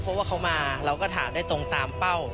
เพราะว่าเขามาเราก็ถามได้ตรงตามเป้า